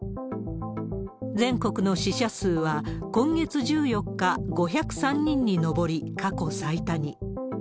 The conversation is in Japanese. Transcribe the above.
全国の死者数は、今月１４日、５０３人に上り、過去最多に。